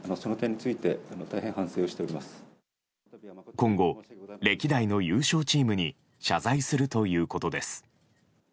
今後、歴代の優勝チームに謝罪するということです。